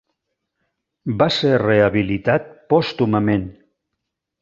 Va ser rehabilitat pòstumament.